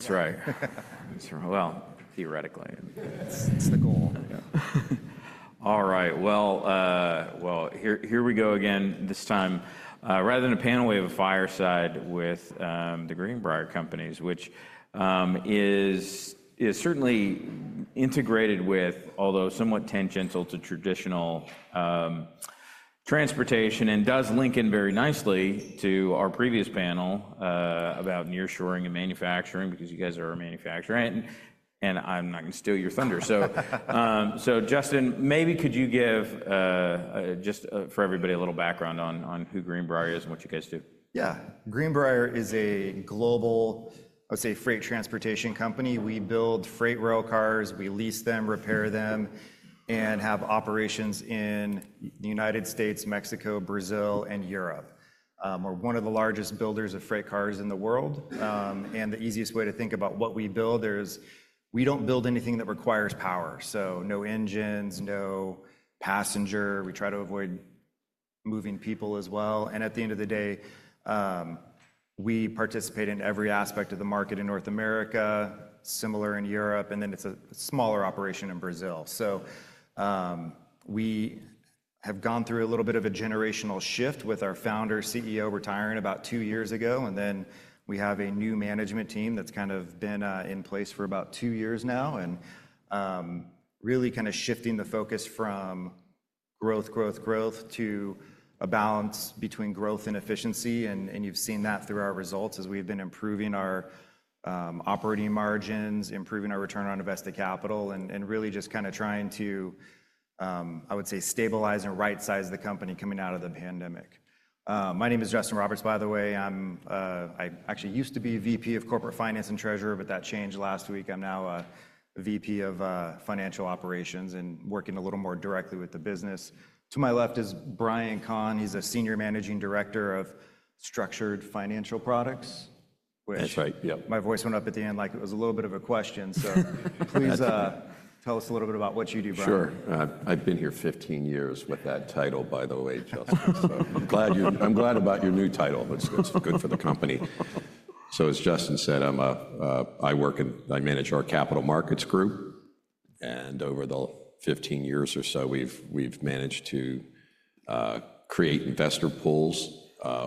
That's right. That's right. Well, theoretically. It's the goal. Yeah. All right, well, here we go again. This time, rather than a panel, we have a fireside with The Greenbrier Companies, which is certainly integrated with, although somewhat tangential to traditional transportation, and does link in very nicely to our previous panel about nearshoring and manufacturing because you guys are a manufacturer, and I'm not going to steal your thunder, so Justin, maybe could you give just for everybody a little background on who Greenbrier is and what you guys do? Yeah. Greenbrier is a global, I would say, freight transportation company. We build freight railcars. We lease them, repair them, and have operations in the United States, Mexico, Brazil, and Europe. We're one of the largest builders of freight cars in the world. And the easiest way to think about what we build is we don't build anything that requires power. So no engines, no passenger. We try to avoid moving people as well. And at the end of the day, we participate in every aspect of the market in North America, similar in Europe, and then it's a smaller operation in Brazil. So we have gone through a little bit of a generational shift with our founder CEO retiring about two years ago. And then we have a new management team that's kind of been in place for about two years now and really kind of shifting the focus from growth, growth, growth to a balance between growth and efficiency. And you've seen that through our results as we've been improving our operating margins, improving our return on invested capital, and really just kind of trying to, I would say, stabilize and right-size the company coming out of the pandemic. My name is Justin Roberts, by the way. I actually used to be VP of Corporate Finance and Treasurer, but that changed last week. I'm now VP of Financial Operations and working a little more directly with the business. To my left is Brian Conn. He's a Senior Managing Director of Structured Financial Products, which. That's right. Yep. My voice went up at the end like it was a little bit of a question, so please tell us a little bit about what you do, Brian. Sure. I've been here 15 years with that title, by the way, Justin. So I'm glad about your new title. It's good for the company. So as Justin said, I manage our capital markets group. And over the 15 years or so, we've managed to create investor pools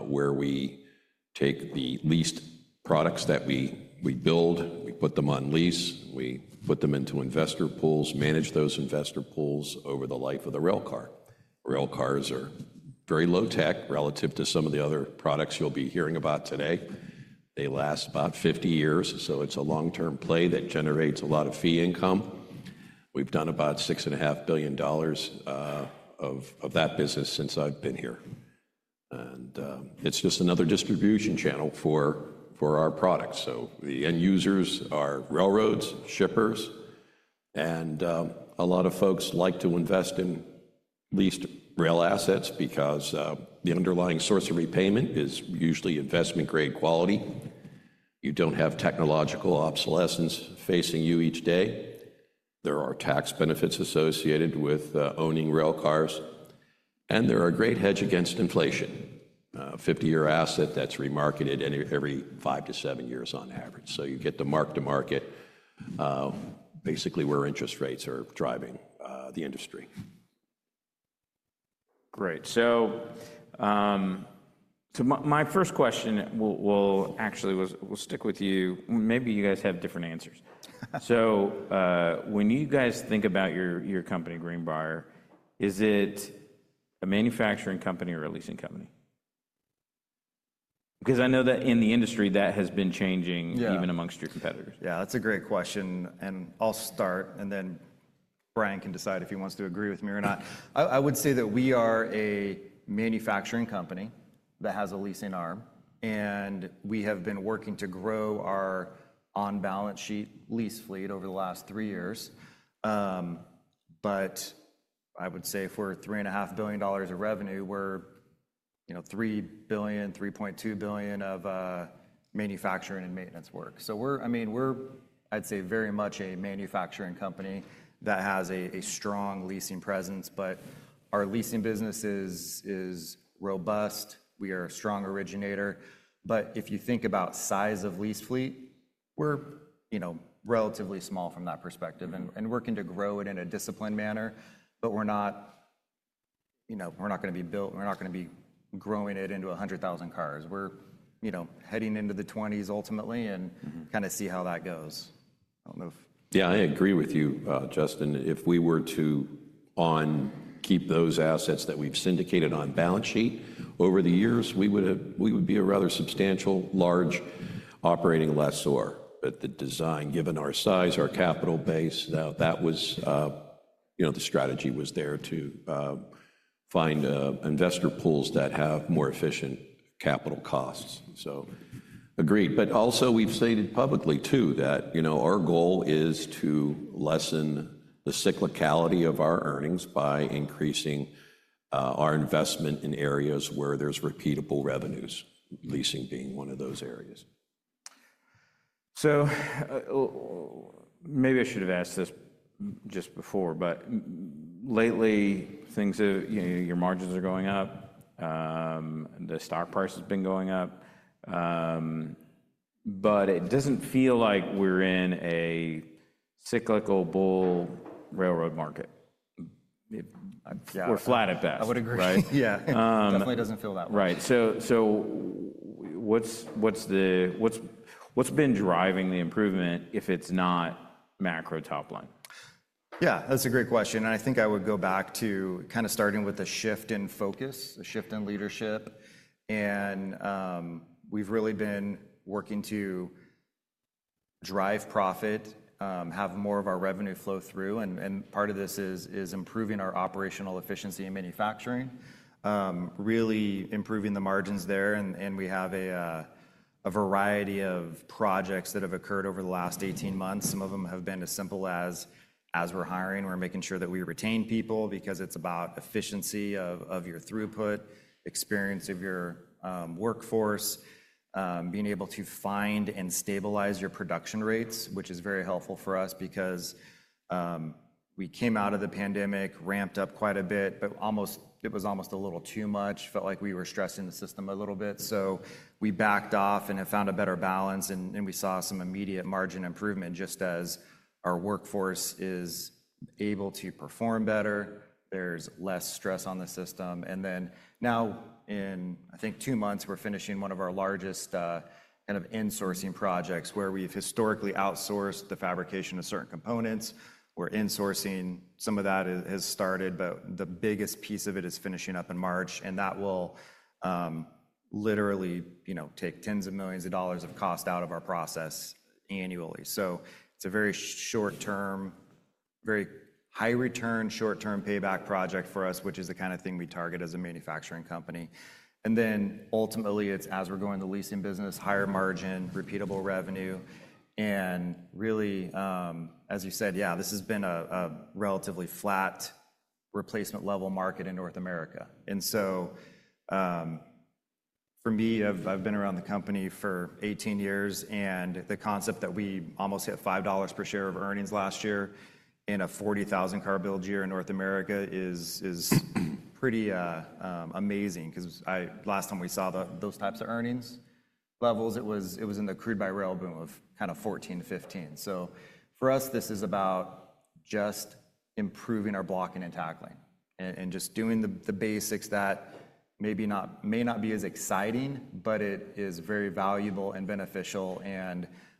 where we take the leased products that we build, we put them on lease, we put them into investor pools, manage those investor pools over the life of the railcar. Railcars are very low-tech relative to some of the other products you'll be hearing about today. They last about 50 years. So it's a long-term play that generates a lot of fee income. We've done about $6.5 billion of that business since I've been here. And it's just another distribution channel for our products. So the end users are railroads, shippers, and a lot of folks like to invest in leased rail assets because the underlying source of repayment is usually investment-grade quality. You don't have technological obsolescence facing you each day. There are tax benefits associated with owning railcars, and there are a great hedge against inflation, a 50-year asset that's remarketed every 5-7 years on average, so you get the mark-to-market basically where interest rates are driving the industry. Great, so my first question will actually stick with you. Maybe you guys have different answers, so when you guys think about your company, Greenbrier, is it a manufacturing company or a leasing company? Because I know that in the industry that has been changing even amongst your competitors. Yeah. That's a great question, and I'll start, and then Brian can decide if he wants to agree with me or not. I would say that we are a manufacturing company that has a leasing arm, and we have been working to grow our on-balance sheet lease fleet over the last three years, but I would say for $3.5 billion of revenue, we're $3 billion-$3.2 billion of manufacturing and maintenance work, so I mean, we're, I'd say, very much a manufacturing company that has a strong leasing presence, but our leasing business is robust. We are a strong originator, but if you think about the size of the lease fleet, we're relatively small from that perspective, and we're working to grow it in a disciplined manner, but we're not going to build it into 100,000 cars. We're heading into the 20s ultimately and kind of see how that goes. I don't know if. Yeah, I agree with you, Justin. If we were to keep those assets that we've syndicated on balance sheet over the years, we would be a rather substantial, large operating lessor. But the design, given our size, our capital base, that was the strategy was there to find investor pools that have more efficient capital costs. So agreed. But also, we've stated publicly, too, that our goal is to lessen the cyclicality of our earnings by increasing our investment in areas where there's repeatable revenues, leasing being one of those areas. So, maybe I should have asked this just before, but lately, your margins are going up. The stock price has been going up. But it doesn't feel like we're in a cyclical bull railroad market. We're flat at best. I would agree. Yeah. Definitely doesn't feel that way. Right. So what's been driving the improvement if it's not macro top line? Yeah, that's a great question, and I think I would go back to kind of starting with a shift in focus, a shift in leadership. We've really been working to drive profit, have more of our revenue flow through. Part of this is improving our operational efficiency in manufacturing, really improving the margins there. We have a variety of projects that have occurred over the last 18 months. Some of them have been as simple as we're hiring. We're making sure that we retain people because it's about efficiency of your throughput, experience of your workforce, being able to find and stabilize your production rates, which is very helpful for us because we came out of the pandemic, ramped up quite a bit, but it was almost a little too much, felt like we were stressing the system a little bit. So we backed off and have found a better balance. We saw some immediate margin improvement just as our workforce is able to perform better. There's less stress on the system. Now, in I think two months, we're finishing one of our largest kind of insourcing projects where we've historically outsourced the fabrication of certain components. We're insourcing. Some of that has started, but the biggest piece of it is finishing up in March. That will literally take tens of millions of dollars of cost out of our process annually. It's a very short-term, very high-return, short-term payback project for us, which is the kind of thing we target as a manufacturing company. Ultimately, it's as we're going to the leasing business, higher margin, repeatable revenue. Really, as you said, yeah, this has been a relatively flat replacement-level market in North America. So for me, I've been around the company for 18 years. The concept that we almost hit $5 per share of earnings last year in a 40,000-car build year in North America is pretty amazing because last time we saw those types of earnings levels, it was in the crude-by-rail boom of kind of 2014 to 2015. For us, this is about just improving our blocking and tackling and just doing the basics that maybe may not be as exciting, but it is very valuable and beneficial.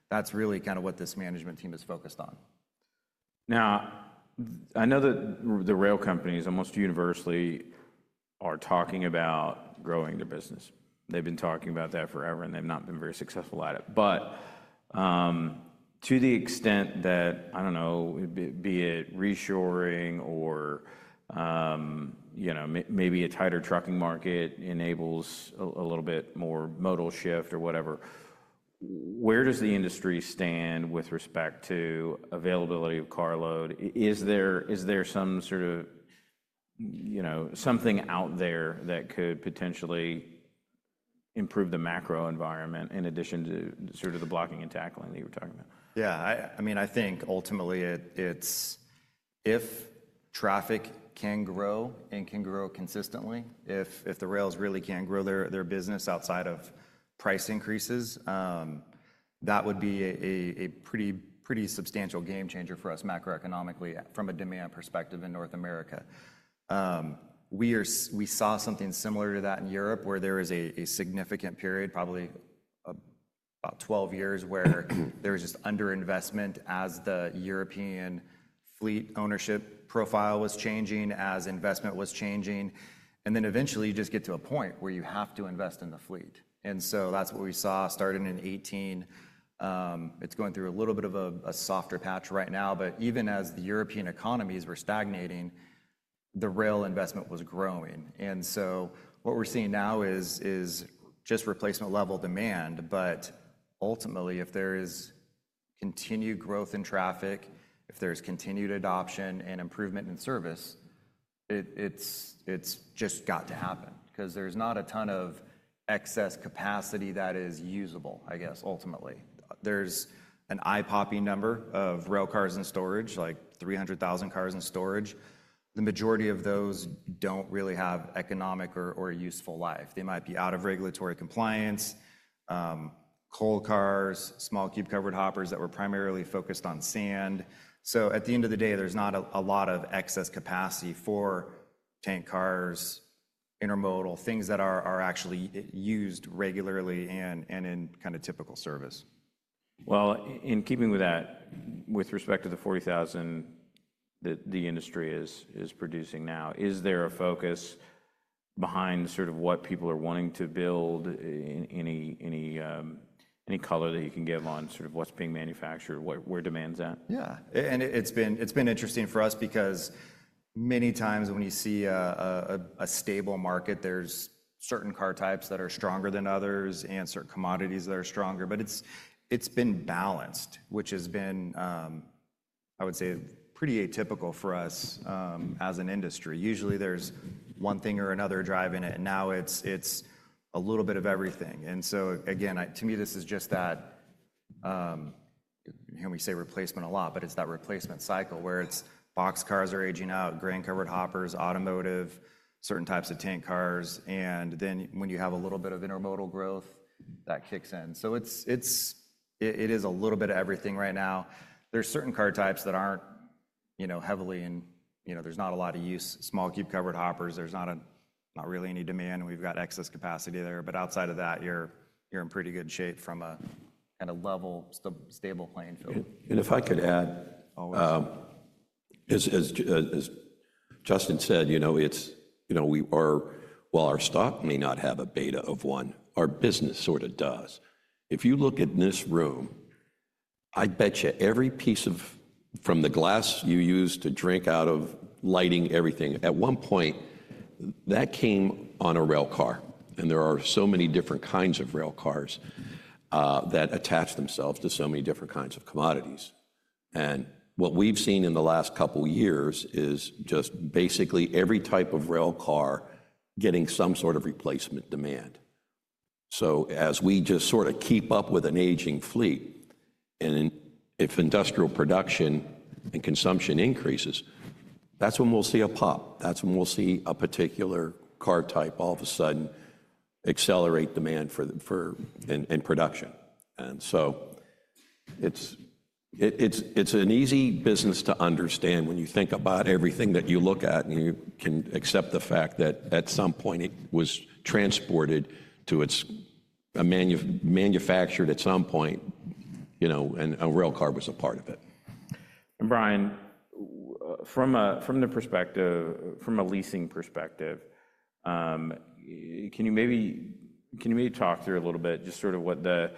That's really kind of what this management team is focused on. Now, I know that the rail companies almost universally are talking about growing their business. They've been talking about that forever, and they've not been very successful at it. But to the extent that, I don't know, be it reshoring or maybe a tighter trucking market enables a little bit more modal shift or whatever, where does the industry stand with respect to availability of carload? Is there some sort of something out there that could potentially improve the macro environment in addition to sort of the blocking and tackling that you were talking about? Yeah. I mean, I think ultimately it's if traffic can grow and can grow consistently, if the rails really can grow their business outside of price increases, that would be a pretty substantial game changer for us macroeconomically from a demand perspective in North America. We saw something similar to that in Europe where there was a significant period, probably about 12 years, where there was just underinvestment as the European fleet ownership profile was changing, as investment was changing. And then eventually, you just get to a point where you have to invest in the fleet. And so that's what we saw starting in 2018. It's going through a little bit of a softer patch right now. But even as the European economies were stagnating, the rail investment was growing. So what we're seeing now is just replacement-level demand. But ultimately, if there is continued growth in traffic, if there's continued adoption and improvement in service, it's just got to happen because there's not a ton of excess capacity that is usable, I guess, ultimately. There's an eye-popping number of railcars in storage, like 300,000 cars in storage. The majority of those don't really have economic or useful life. They might be out of regulatory compliance, coal cars, small-cube covered hoppers that were primarily focused on sand. So at the end of the day, there's not a lot of excess capacity for tank cars, intermodal things that are actually used regularly and in kind of typical service. In keeping with that, with respect to the 40,000 that the industry is producing now, is there a focus behind sort of what people are wanting to build, any color that you can give on sort of what's being manufactured, where demand's at? Yeah, and it's been interesting for us because many times when you see a stable market, there's certain car types that are stronger than others and certain commodities that are stronger, but it's been balanced, which has been, I would say, pretty atypical for us as an industry. Usually, there's one thing or another driving it, and now it's a little bit of everything. So again, to me, this is just that, and we say replacement a lot, but it's that replacement cycle where it's boxcars are aging out, grain covered hoppers, automotive, certain types of tank cars. And then when you have a little bit of intermodal growth, that kicks in, so it is a little bit of everything right now. There's certain car types that aren't heavily in. There's not a lot of use, small-cube covered hoppers. There's not really any demand. We've got excess capacity there. But outside of that, you're in pretty good shape from a kind of level, stable playing field. If I could add. Always. As Justin said, you know while our stock may not have a beta of one, our business sort of does. If you look at this room, I bet you every piece from the glass you use to drink out of lighting, everything, at one point, that came on a railcar, and there are so many different kinds of railcars that attach themselves to so many different kinds of commodities, and what we've seen in the last couple of years is just basically every type of railcar getting some sort of replacement demand, so as we just sort of keep up with an aging fleet, and if industrial production and consumption increases, that's when we'll see a pop. That's when we'll see a particular car type all of a sudden accelerate demand for and production. And so it's an easy business to understand when you think about everything that you look at, and you can accept the fact that at some point, it was transported to. It's manufactured at some point, and a railcar was a part of it. Brian, from the perspective, from a leasing perspective, can you maybe talk through a little bit just sort of what the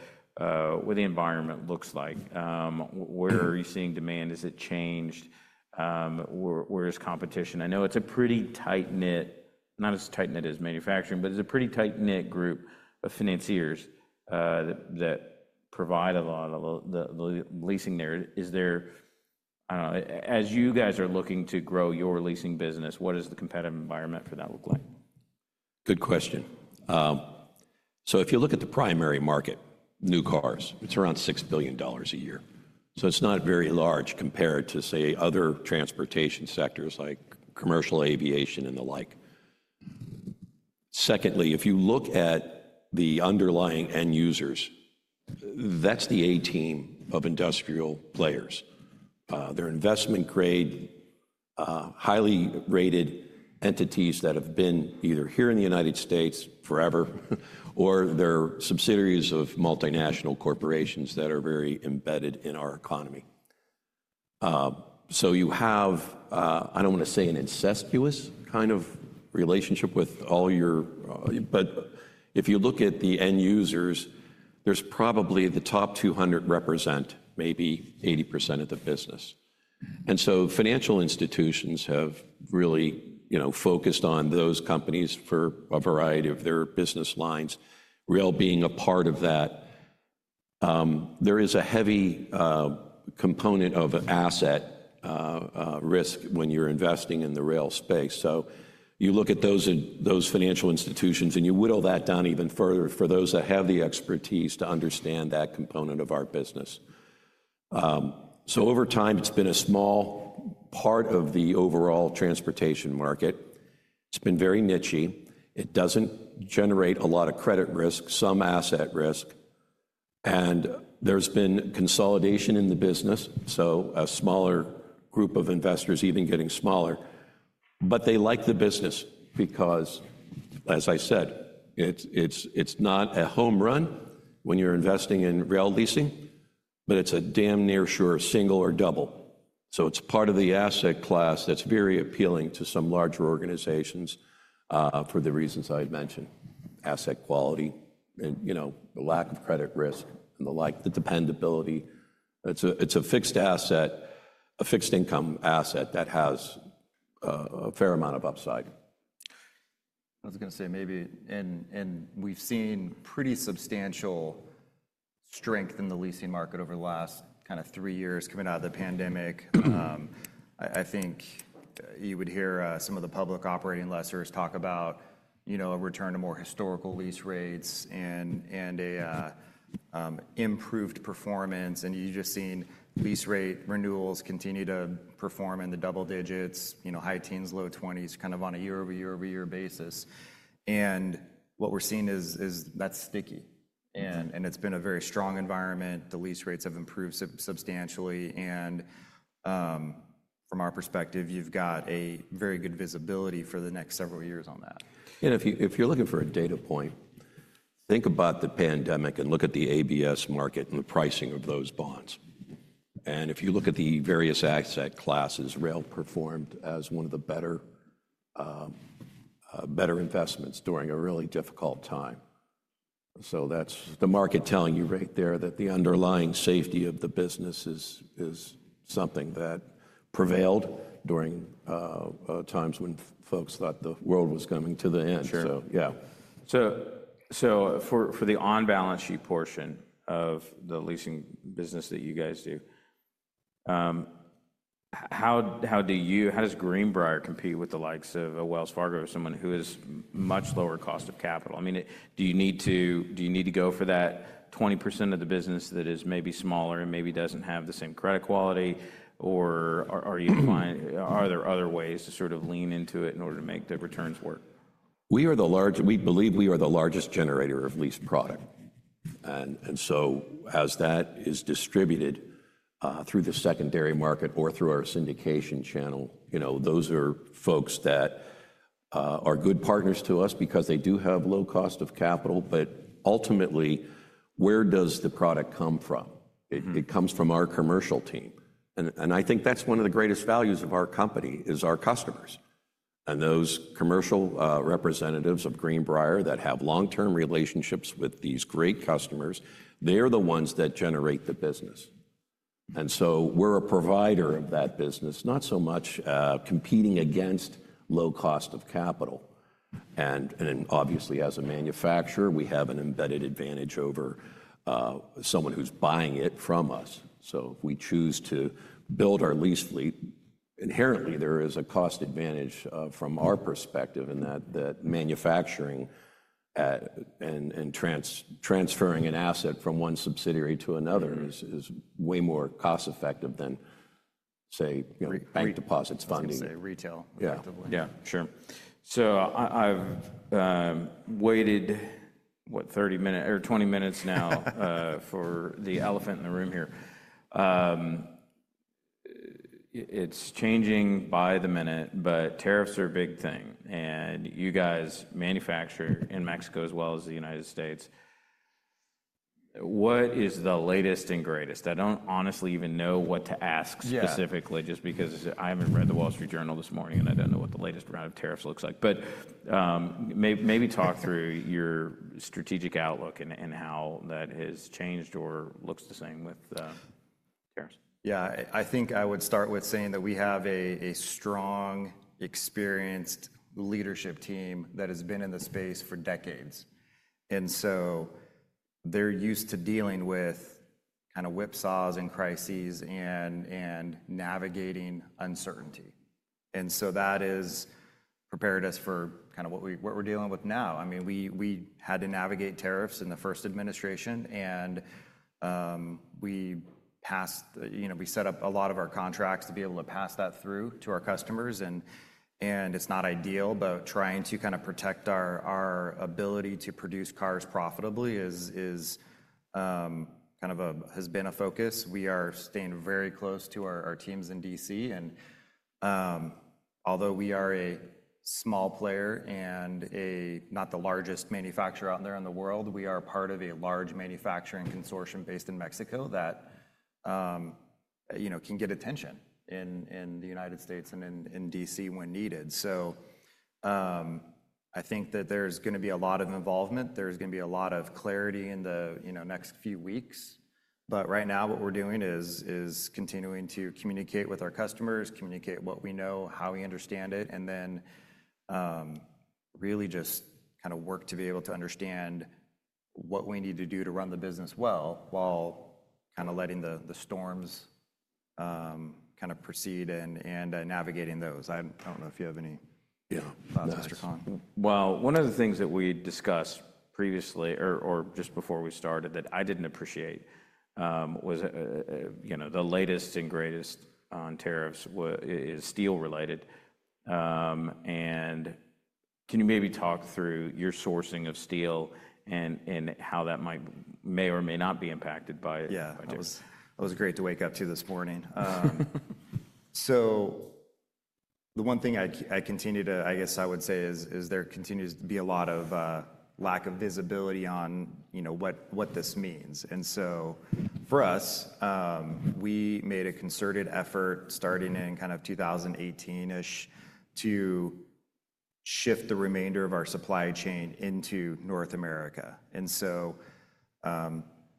environment looks like? Where are you seeing demand? Has it changed? Where is competition? I know it's a pretty tight-knit, not as tight-knit as manufacturing, but it's a pretty tight-knit group of financiers that provide a lot of the leasing there. Is there, I don't know, as you guys are looking to grow your leasing business, what does the competitive environment for that look like? Good question. So if you look at the primary market, new cars, it's around $6 billion a year. So it's not very large compared to, say, other transportation sectors like commercial aviation and the like. Secondly, if you look at the underlying end users, that's the A team of industrial players. They're investment-grade, highly rated entities that have been either here in the United States forever, or they're subsidiaries of multinational corporations that are very embedded in our economy. So you have, I don't want to say an incestuous kind of relationship with all your but if you look at the end users, there's probably the top 200 represent maybe 80% of the business. And so financial institutions have really focused on those companies for a variety of their business lines, rail being a part of that. There is a heavy component of asset risk when you're investing in the rail space, so you look at those financial institutions, and you whittle that down even further for those that have the expertise to understand that component of our business. So over time, it's been a small part of the overall transportation market. It's been very niche-y. It doesn't generate a lot of credit risk, some asset risk, and there's been consolidation in the business, so a smaller group of investors even getting smaller, but they like the business because, as I said, it's not a home run when you're investing in rail leasing, but it's a damn near sure single or double, so it's part of the asset class that's very appealing to some larger organizations for the reasons I had mentioned: asset quality, the lack of credit risk, and the like, the dependability. It's a fixed asset, a fixed income asset that has a fair amount of upside. I was going to say maybe, and we've seen pretty substantial strength in the leasing market over the last kind of three years coming out of the pandemic. I think you would hear some of the public operating lessors talk about a return to more historical lease rates and an improved performance. And you've just seen lease rate renewals continue to perform in the double digits, high teens, low 20s, kind of on a year-over-year-over-year basis. And what we're seeing is that's sticky. And it's been a very strong environment. The lease rates have improved substantially. And from our perspective, you've got a very good visibility for the next several years on that. And if you're looking for a data point, think about the pandemic and look at the ABS market and the pricing of those bonds. And if you look at the various asset classes, rail performed as one of the better investments during a really difficult time. So that's the market telling you right there that the underlying safety of the business is something that prevailed during times when folks thought the world was coming to the end. So yeah. So for the on-balance sheet portion of the leasing business that you guys do, how does Greenbrier compete with the likes of a Wells Fargo or someone who is much lower cost of capital? I mean, do you need to go for that 20% of the business that is maybe smaller and maybe doesn't have the same credit quality? Or are there other ways to sort of lean into it in order to make the returns work? We believe we are the largest generator of leased product. And so as that is distributed through the secondary market or through our syndication channel, those are folks that are good partners to us because they do have low cost of capital. But ultimately, where does the product come from? It comes from our commercial team. And I think that's one of the greatest values of our company is our customers. And those commercial representatives of Greenbrier that have long-term relationships with these great customers, they are the ones that generate the business. So we're a provider of that business, not so much competing against low cost of capital. And obviously, as a manufacturer, we have an embedded advantage over someone who's buying it from us. So if we choose to build our lease fleet, inherently, there is a cost advantage from our perspective in that manufacturing and transferring an asset from one subsidiary to another is way more cost-effective than, say, bank deposits funding. Retail, effectively. Yeah, yeah, sure. So I've waited, what, 30 minutes or 20 minutes now for the elephant in the room here. It's changing by the minute, but tariffs are a big thing. And you guys manufacture in Mexico as well as the United States. What is the latest and greatest? I don't honestly even know what to ask specifically just because I haven't read the Wall Street Journal this morning, and I don't know what the latest round of tariffs looks like. But maybe talk through your strategic outlook and how that has changed or looks the same with tariffs? Yeah. I think I would start with saying that we have a strong, experienced leadership team that has been in the space for decades. And so they're used to dealing with kind of whipsaws and crises and navigating uncertainty. And so that has prepared us for kind of what we're dealing with now. I mean, we had to navigate tariffs in the first administration, and we set up a lot of our contracts to be able to pass that through to our customers, and it's not ideal, but trying to kind of protect our ability to produce cars profitably has been a focus. We are staying very close to our teams in D.C. And although we are a small player and not the largest manufacturer out there in the world, we are part of a large manufacturing consortium based in Mexico that can get attention in the United States and in D.C. when needed, so I think that there's going to be a lot of involvement. There's going to be a lot of clarity in the next few weeks. But right now, what we're doing is continuing to communicate with our customers, communicate what we know, how we understand it, and then really just kind of work to be able to understand what we need to do to run the business well while kind of letting the storms kind of proceed and navigating those. I don't know if you have any thoughts, Mr. Conn? Well, one of the things that we discussed previously or just before we started that I didn't appreciate was the latest and greatest on tariffs is steel-related. And can you maybe talk through your sourcing of steel and how that may or may not be impacted by tariffs? Yeah. That was great to wake up to this morning. So the one thing I continue to, I guess I would say, is there continues to be a lot of lack of visibility on what this means. And so for us, we made a concerted effort starting in kind of 2018-ish to shift the remainder of our supply chain into North America. And so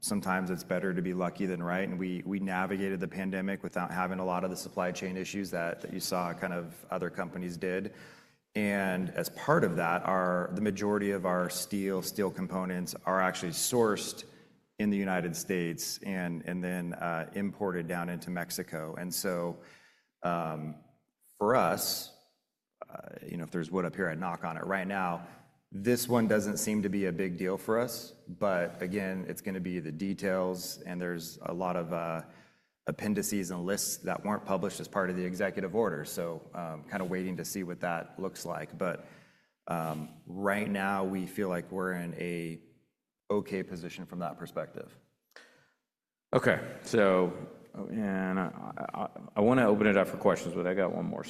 sometimes it's better to be lucky than right. And we navigated the pandemic without having a lot of the supply chain issues that you saw kind of other companies did. As part of that, the majority of our steel components are actually sourced in the United States and then imported down into Mexico. And so for us, if there's wood up here, I'd knock on it. Right now, this one doesn't seem to be a big deal for us. But again, it's going to be the details. And there's a lot of appendices and lists that weren't published as part of the executive order. So kind of waiting to see what that looks like. But right now, we feel like we're in an OK position from that perspective. Okay, so I want to open it up for questions, but I got one more,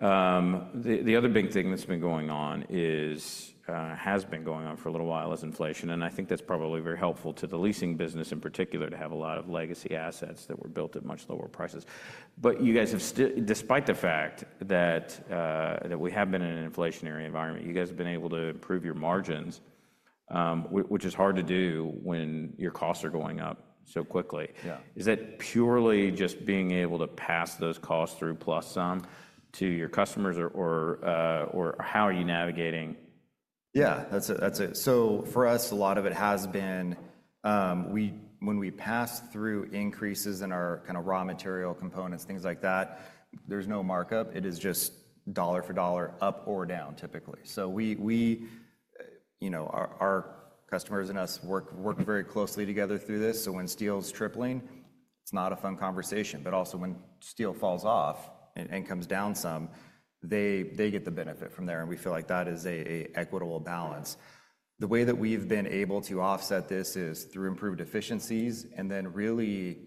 so the other big thing that's been going on has been going on for a little while is inflation, and I think that's probably very helpful to the leasing business in particular to have a lot of legacy assets that were built at much lower prices. But you guys have still, despite the fact that we have been in an inflationary environment, you guys have been able to improve your margins, which is hard to do when your costs are going up so quickly, is that purely just being able to pass those costs through plus some to your customers, or how are you navigating? Yeah. For us, a lot of it has been when we pass through increases in our kind of raw material components, things like that. There's no markup. It is just dollar for dollar up or down, typically. Our customers and us work very closely together through this. When steel's tripling, it's not a fun conversation. But also when steel falls off and comes down some, they get the benefit from there. We feel like that is an equitable balance. The way that we've been able to offset this is through improved efficiencies and then really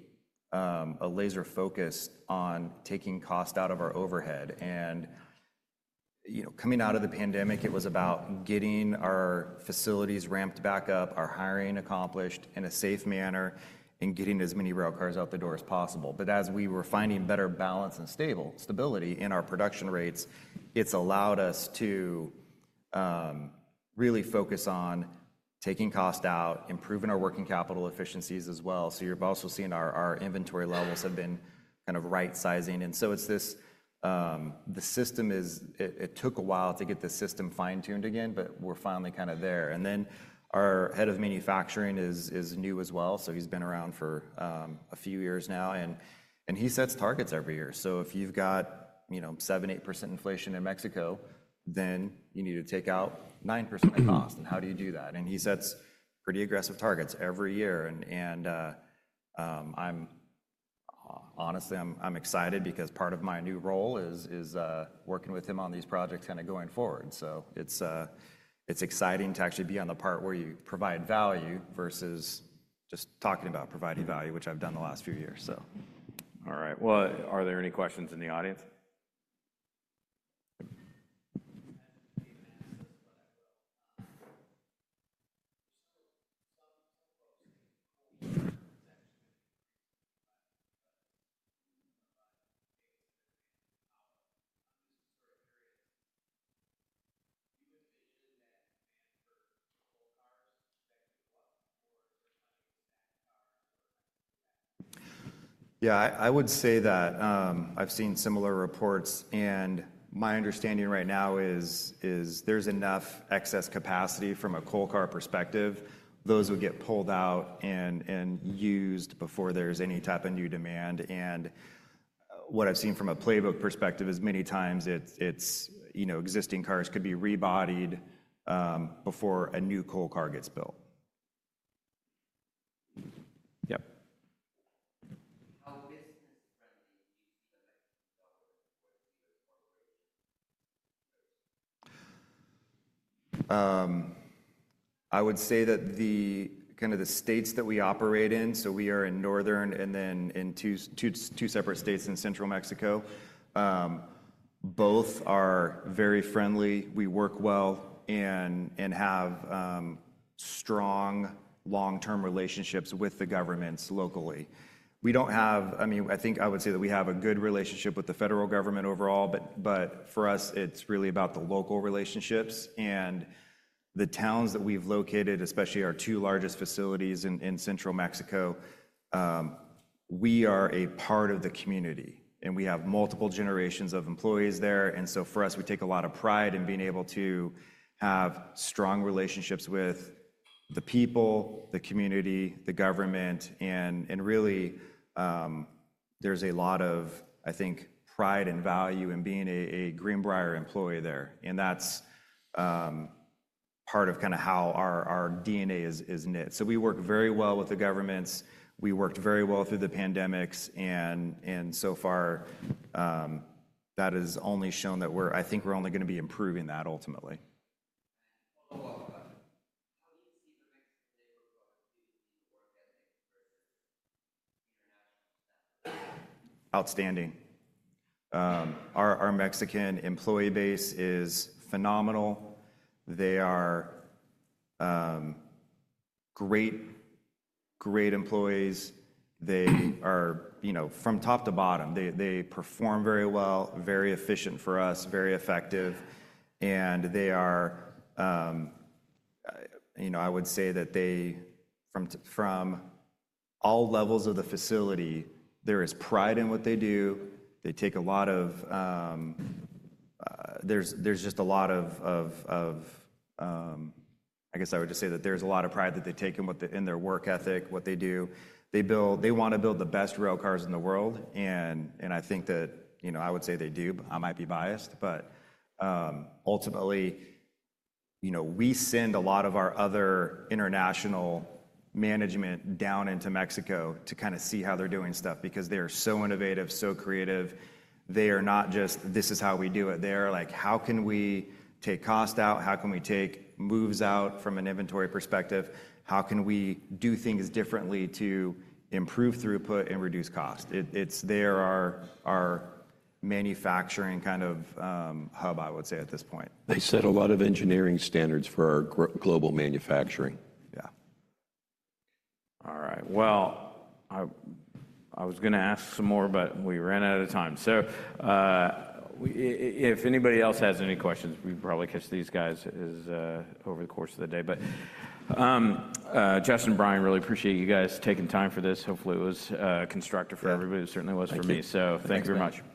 a laser focus on taking cost out of our overhead. Coming out of the pandemic, it was about getting our facilities ramped back up, our hiring accomplished in a safe manner, and getting as many railcars out the door as possible. But as we were finding better balance and stability in our production rates, it's allowed us to really focus on taking cost out, improving our working capital efficiencies as well. So you've also seen our inventory levels have been kind of right-sizing. And so the system is, it took a while to get the system fine-tuned again, but we're finally kind of there. And then our head of manufacturing is new as well. So he's been around for a few years now. And he sets targets every year. So if you've got 7%-8% inflation in Mexico, then you need to take out 9% of cost. And how do you do that? And he sets pretty aggressive targets every year. And honestly, I'm excited because part of my new role is working with him on these projects kind of going forward. It's exciting to actually be on the part where you provide value versus just talking about providing value, which I've done the last few years, so. All right. Well, are there any questions in the audience? [inaudible] Yeah, I would say that I've seen similar reports. And my understanding right now is there's enough excess capacity from a coal car perspective. Those would get pulled out and used before there's any type of new demand. And what I've seen from a playbook perspective is many times existing cars could be rebodied before a new coal car gets built. [inaudible] I would say that kind of the states that we operate in, so we are in northern and then in two separate states in central Mexico, both are very friendly. We work well and have strong long-term relationships with the governments locally. I mean, I think I would say that we have a good relationship with the federal government overall, but for us, it's really about the local relationships, and the towns that we've located, especially our two largest facilities in central Mexico, we are a part of the community. We have multiple generations of employees there, and so for us, we take a lot of pride in being able to have strong relationships with the people, the community, the government. And really, there's a lot of, I think, pride and value in being a Greenbrier employee there. And that's part of kind of how our DNA is knit, so we work very well with the governments. We worked very well through the pandemics, and so far, that has only shown that I think we're only going to be improving that ultimately. [inaudible] Outstanding. Our Mexican employee base is phenomenal. They are great, great employees. They are from top to bottom. They perform very well, very efficient for us, very effective. And I would say that from all levels of the facility, there is pride in what they do. There's just a lot of, I guess I would just say that there's a lot of pride that they take in their work ethic, what they do. They want to build the best railcars in the world. And I think that I would say they do, but I might be biased. But ultimately, we send a lot of our other international management down into Mexico to kind of see how they're doing stuff because they are so innovative, so creative. They are not just, "This is how we do it." They are like, "How can we take cost out? How can we take moves out from an inventory perspective? How can we do things differently to improve throughput and reduce cost?" They are our manufacturing kind of hub, I would say, at this point. They set a lot of engineering standards for our global manufacturing. Yeah. All right. Well, I was going to ask some more, but we ran out of time. So if anybody else has any questions, we probably catch these guys over the course of the day. But Justin and Brian, really appreciate you guys taking time for this. Hopefully, it was constructive for everybody. It certainly was for me. So thank you very much.